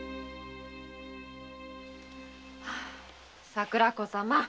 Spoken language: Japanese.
桜子様